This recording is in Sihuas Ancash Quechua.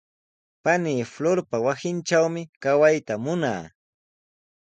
Panii Florpa wasintrawmi kawayta munaa.